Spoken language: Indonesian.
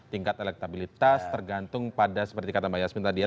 tingkat elektabilitas tergantung pada seperti kata mbak yasmin tadi ya